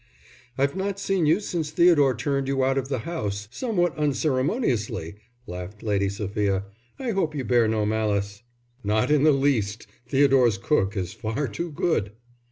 "I've not seen you since Theodore turned you out of the house somewhat unceremoniously," laughed Lady Sophia; "I hope you bear no malice." "Not in the least; Theodore's cook is far too good."